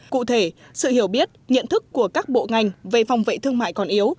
cụ thể sự hiểu biết nhận thức của các bộ ngành về phòng vệ thương mại còn yếu